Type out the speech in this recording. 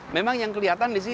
memang yang kelihatan disini